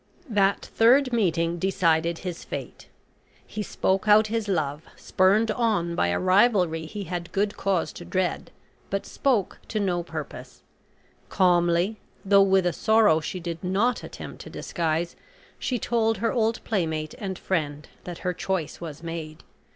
That third meeting decided his fate. He spoke out his love, spurred on by a rivalry he had good cause to dread, but spoke to no purpose. Calmly, though with a sorrow she did not attempt to disguise, she told her old playmate and friend that her choice was made.